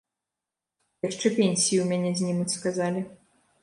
Яшчэ пенсіі ў мяне знімуць, сказалі.